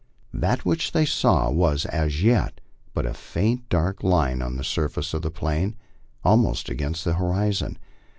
That which they saw was as yet but a faint dark line on the surface of the plain, almost against the horizon.